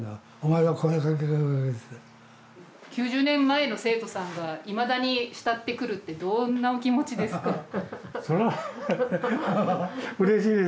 ９０年前の生徒さんがいまだに慕ってくるってどんなお気持ちですか？